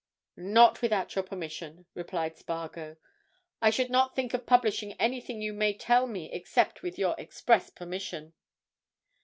"Not without your permission," replied Spargo. "I should not think of publishing anything you may tell me except with your express permission."